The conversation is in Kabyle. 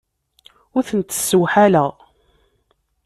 Ur tent-ssewḥaleɣ.